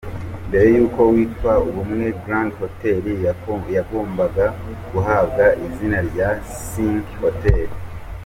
Mbere yo kwitwa Ubumwe Grande Hotel, yagombaga guhabwa izina rya Zinc Hotel.